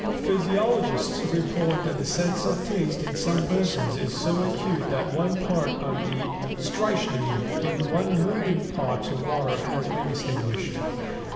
Physiologists report that the sense of Taste in some persons is so acute that one part of strychnine in one million parts of water has been distinguished.